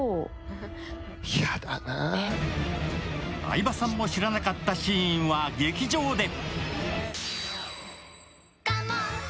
相葉さんも知らなかったシーンは劇場で。